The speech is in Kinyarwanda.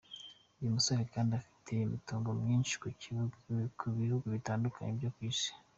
Uyu musore kandi afite imitungo myinshi mu bihugu bitandukanye byo ku isi.